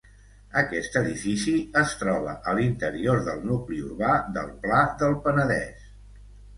Aquest edifici es troba a l'interior del nucli urbà del Pla del Penedès.